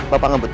bapak ngebut ya